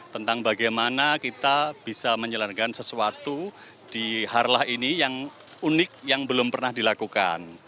tentang bagaimana kita bisa menjalankan sesuatu di harlah ini yang unik yang belum pernah dilakukan